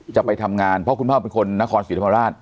จะไปทำงานเพราะคุณพ่อเป็นคนนครศรีธรรมราช